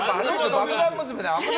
爆弾娘で。